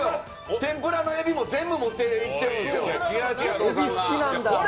天ぷらのエビも全部持っていってるんですよ。